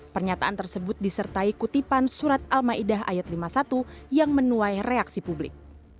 pernyataan tersebut disertai kutipan surat al ⁇ maidah ⁇ ayat lima puluh satu yang menuai reaksi publik